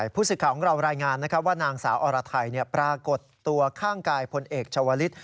ผู้สื่อข่าวของเรารายงานว่านางสาวอรไทยปรากฏตัวข้างกายพลเอกชาวลิศ